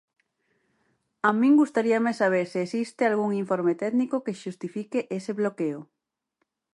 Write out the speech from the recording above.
A min gustaríame saber se existe algún informe técnico que xustifique ese bloqueo.